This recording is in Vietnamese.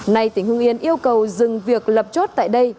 nay tỉnh hưng yên yêu cầu dừng việc lập chốt tại đây